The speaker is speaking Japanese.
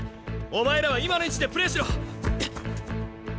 お前らは今の位置でプレーしろ。